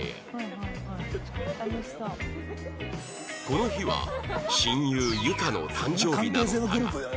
この日は親友ユカの誕生日なのだが